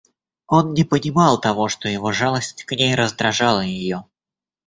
Он не понимал того, что его жалость к ней раздражала ее.